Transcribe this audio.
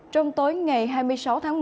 trong tối ngày hai mươi sáu tháng một